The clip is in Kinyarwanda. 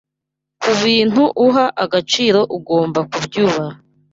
kubintu uha agaciro ugomba kubyubaha